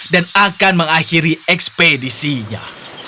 dan akan mengakhiri ekspedisinya